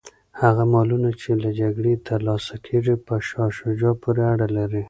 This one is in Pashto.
هغه مالونه چي له جګړې ترلاسه کیږي په شاه شجاع پوري اړه لري.